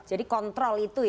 jadi kontrol itu ya